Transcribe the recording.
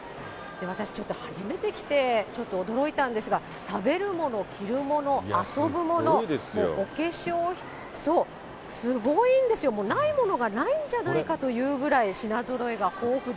私、ちょっと初めて来てちょっと驚いたんですが、食べるもの、着るもの、遊ぶもの、お化粧品、すごいんですよ、もう、ないものがないんじゃないかというぐらい、品ぞろえが豊富で。